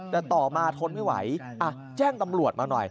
แต่ต่อมาทนไม่ไหวแจ้งตำรวจมาหน่อย